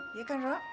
iya kan rok